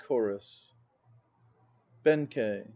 CHORUS. BENKEI.